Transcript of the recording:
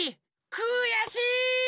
くやしい！